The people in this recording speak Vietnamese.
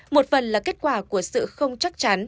một phần là kết quả của sự không chắc chắn